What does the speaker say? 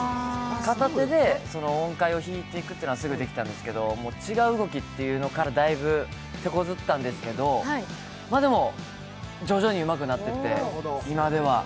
片手で、音階を弾いていくというのはすぐできたんですけど違う動きっていうのからだいぶ手こずったんですけどでも、徐々にうまくなっていって、今では。